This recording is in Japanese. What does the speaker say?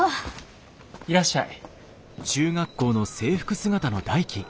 いらっしゃい。